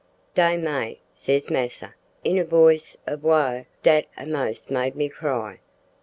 "`Dey may,' ses massa, in a voice ob woe dat a'most made me cry.